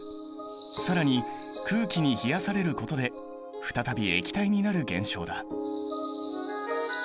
更に空気に冷やされることで再び液体になる現象だ。